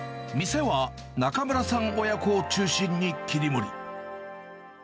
店は中村さん親子を中心に切り盛り。